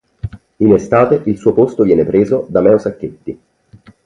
In estate, il suo posto viene preso da Meo Sacchetti.